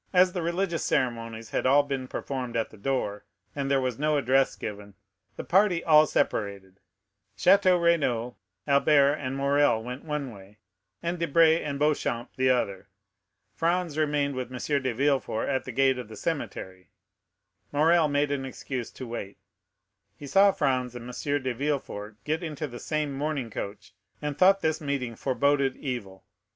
As the religious ceremonies had all been performed at the door, and there was no address given, the party all separated; Château Renaud, Albert, and Morrel, went one way, and Debray and Beauchamp the other. Franz remained with M. de Villefort; at the gate of the cemetery Morrel made an excuse to wait; he saw Franz and M. de Villefort get into the same mourning coach, and thought this meeting forboded evil.